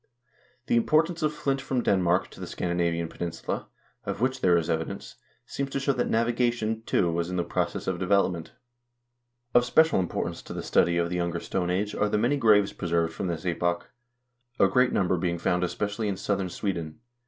The importation of flint from Denmark to the Scandinavian peninsula, of which there is evidence, seems to show that navigation, too, was in the process of development. Of special importance to the study of the Younger Stone Age are the many graves preserved from this epoch, a great number being found especially in southern Sweden.